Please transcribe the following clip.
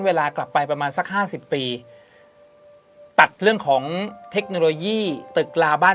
เวลากลับไปประมาณสักห้าสิบปีตัดเรื่องของเทคโนโลยีตึกลาบ้าน